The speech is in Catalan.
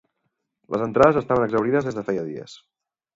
Les entrades estaven exhaurides des de feia dies.